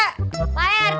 kayak panduan suara